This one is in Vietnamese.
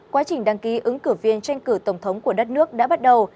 quá trình đăng ký ứng cử viên tranh cử tổng thống của đất nước đã bắt đầu